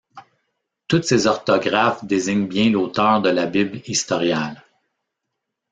Toutes ces orthographes désignent bien l'auteur de la Bible historiale.